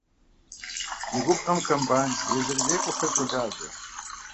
Ди губгъуэм комбайн езырызекӏуэхэр щолажьэ.